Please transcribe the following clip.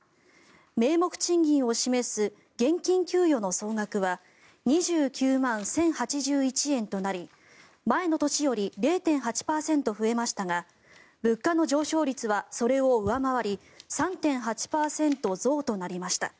名目賃金を示す現金給与の総額は２９万１０８１円となり前の年より０．８％増えましたが物価の上昇率はそれを上回り３．８％増となりました。